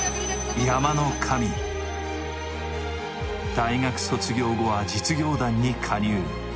大学卒業後は実業団に加入。